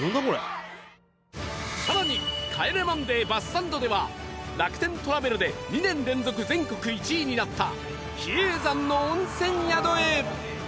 更に『帰れマンデー』バスサンドでは楽天トラベルで２年連続全国１位になった比叡山の温泉宿へ